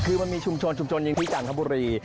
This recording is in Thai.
คือมันมีชุมชนอย่างที่จังครับบุรี